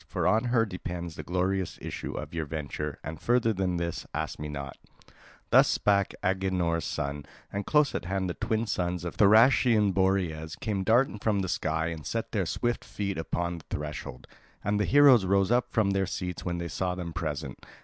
For on her depends the glorious issue of your venture. And further than this ask me not." Thus spake Agenor's son, and close at hand the twin sons of Thracian Boreas came darting from the sky and set their swift feet upon the threshold; and the heroes rose up from their seats when they saw them present.